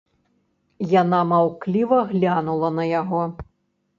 Яна маўкліва глянула на яго.